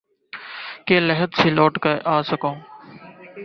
کہ لحد سے لوٹ کے آسکھوں